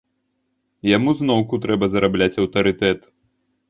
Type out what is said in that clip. Яму зноўку трэба зарабляць аўтарытэт.